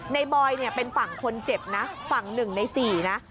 บอยเนี่ยเป็นฝั่งคนเจ็บนะฝั่ง๑ใน๔นะ